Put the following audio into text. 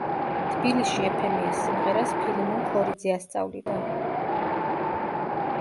თბილისში ეფემიას სიმღერას ფილიმონ ქორიძე ასწავლიდა.